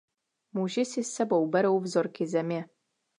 Muži si s sebou berou vzorky země.